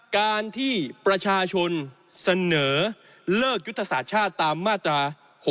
การที่ประชาชนเสนอเลิกยุทธศาสตร์ชาติตามมาตรา๖๖